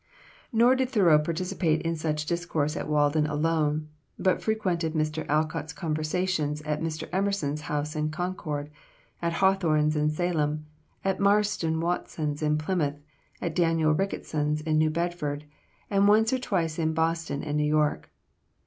Nor did Thoreau participate in such discourse at Walden alone, but frequented Mr. Alcott's conversations at Mr. Emerson's house in Concord, at Hawthorne's in Salem, at Marston Watson's in Plymouth, at Daniel Ricketson's in New Bedford, and once or twice in Boston and New York.